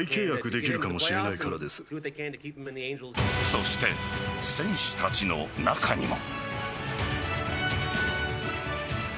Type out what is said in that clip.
そして、選手たちの中にも。